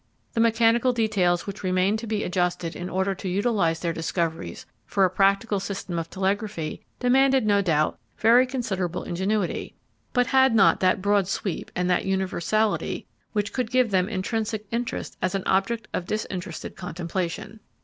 The mechanical details which remained to be adjusted in order to utilise their discoveries for a practical system of telegraphy demanded, no doubt, very considerable ingenuity, but had not that broad sweep and that universality which could give them intrinsic interest as an object of disinterested contemplation.